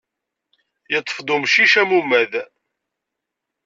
Yeṭṭef-d umcic amumad.